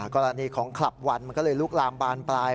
กรณีของคลับวันมันก็เลยลุกลามบานปลาย